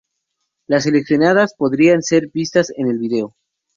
Las seleccionadas podrían ser vistas en el vídeo.